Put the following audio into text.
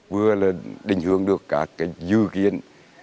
vừa là định hướng được các dự kiến